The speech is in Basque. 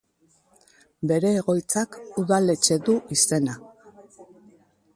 Bere egoitzak udaletxe du izena.